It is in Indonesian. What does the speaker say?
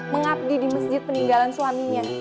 mengabdi di masjid peninggalan suaminya